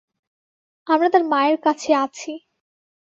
আমরা তার মায়ের কাছে আছি।